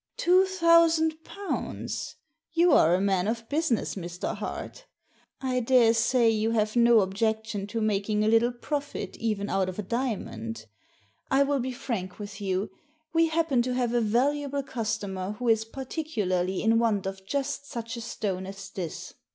" Two thousand pounds ? You are a man of busi ness, Mr. Hart I daresay you have no objection to making a little profit even out of a diamond. I will be frank with you. We happen to have a valuable customer who is particularly in want of just such a stone as this.